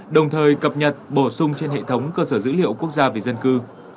đồng thời cập nhật bổ sung trên hệ thống cơ sở dữ liệu quốc gia về dân cư